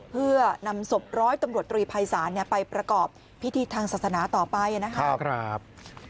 เพื่อนำศพร้อยตำรวจตรีภัยศาลไปประกอบพิธีทางศาสนาต่อไปนะครับ